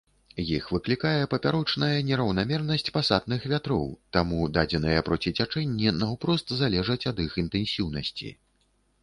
Іх выклікае папярочная нераўнамернасць пасатных вятроў, таму дадзеныя проціцячэнні наўпрост залежаць ад іх інтэнсіўнасці.